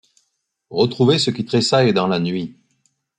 Retrouver ce qui tressaille dans la nuit.